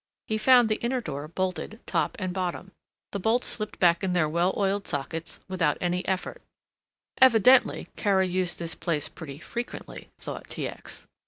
He found the inner door bolted top and bottom. The bolts slipped back in their well oiled sockets without any effort. Evidently Kara used this place pretty frequently, thought T. X.